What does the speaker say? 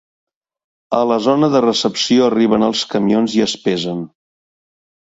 A la zona de recepció arriben els camions i es pesen.